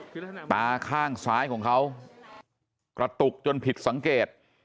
คือตาข้างซ้ายของเขากระตุกจนผิดสังเกต